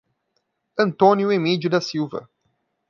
Antônio Emidio da Silva